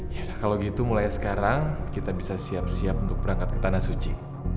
ya kalau gitu mulai sekarang kita bisa siap siap untuk berangkat ke tanah suci